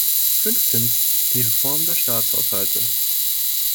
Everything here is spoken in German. Fünftens, die Reform der Staatshaushalte.